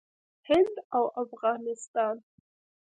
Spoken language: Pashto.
هند او افغانستان